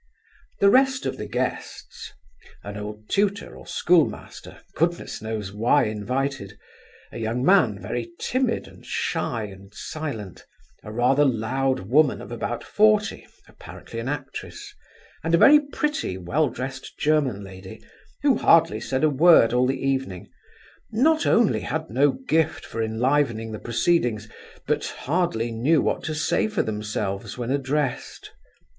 The rest of the guests (an old tutor or schoolmaster, goodness knows why invited; a young man, very timid, and shy and silent; a rather loud woman of about forty, apparently an actress; and a very pretty, well dressed German lady who hardly said a word all the evening) not only had no gift for enlivening the proceedings, but hardly knew what to say for themselves when addressed.